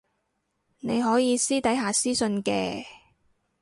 你可以私底下私訊嘅